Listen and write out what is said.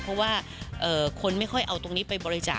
เพราะว่าคนไม่ค่อยเอาตรงนี้ไปบริจาค